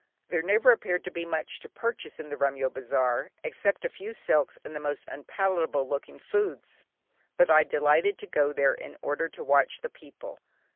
There never appeared to be much to purchase in the Remyo bazaar except a few silks and the most unpalatable looking foods, but I delighted to go there in order to watch the people.